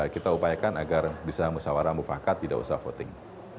kita upayakan agar bisa musawarah mufakat tidak usah voting